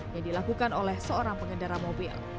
yang dilakukan oleh seorang pengendara mobil